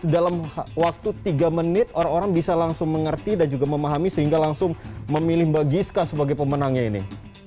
dalam waktu tiga menit orang orang bisa langsung mengerti dan juga memahami sehingga langsung memilih mbak giska sebagai pemenangnya ini